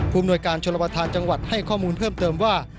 มนวยการชนประธานจังหวัดให้ข้อมูลเพิ่มเติมว่า